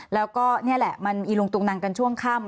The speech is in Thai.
แล้วก็นี่แหละมันอีลุงตุงนังกันช่วงค่ำ